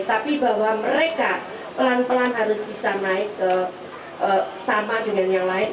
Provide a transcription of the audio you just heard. tapi bahwa mereka pelan pelan harus bisa naik sama dengan yang lain